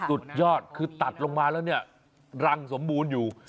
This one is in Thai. สุดยอดคือตัดลงมาแล้วเนี่ยรังสมบูรณ์อยู่